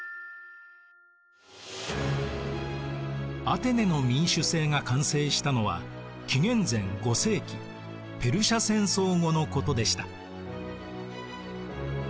アテネの民主政が完成したのは紀元前５世紀ペルシア戦争後のことでした。